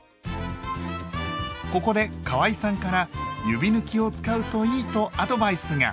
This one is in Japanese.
ここでかわいさんから指ぬきを使うといいとアドバイスが。